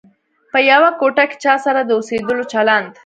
په یوه کوټه کې چا سره د اوسېدلو چلند.